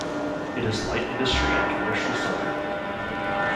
It is light industry and commercial suburb.